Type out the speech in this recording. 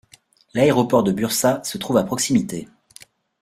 L'aéroport de Bursa se trouve à proximité.